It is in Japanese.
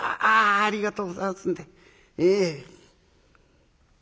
あありがとうございますんで。ええ」。